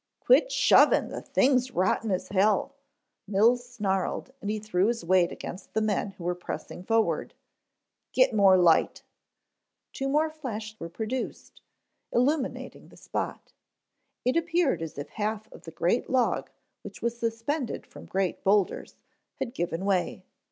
"Quit shovin', the thing's rotten as hell," Mills snarled and he threw his weight against the men who were pressing forward. "Get more light." Two more flashes were produced, illuminating the spot. It appeared as if half of the great log which was suspended from great boulders, had given way.